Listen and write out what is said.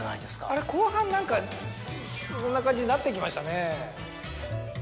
あれ後半何かそんな感じになってきましたね。